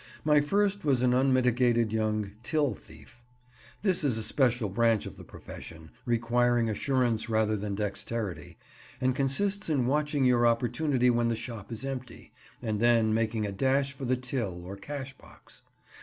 My first was an unmitigated young "till thief." This is a special branch of the profession, requiring assurance rather than dexterity, and consists in watching your opportunity when the shop is empty, and then making a dash for the till or cash box.